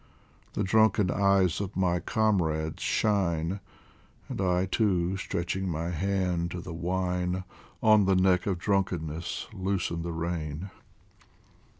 The drunken eyes of my comrades shine, And I too, stretching my hand to the wine, On the neck of drunkenness loosen the rein.